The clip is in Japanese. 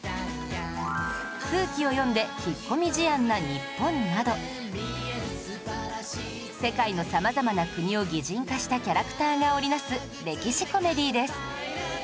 空気を読んで引っ込み思案な日本など世界の様々な国を擬人化したキャラクターが織りなす歴史コメディーです